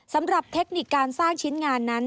สำหรับเทคนิคการสร้างชิ้นงานนั้น